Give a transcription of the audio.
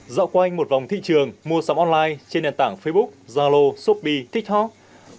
dạo quanh một vòng thị trường mua sắm online trên nền tảng facebook zalo shopee tiktok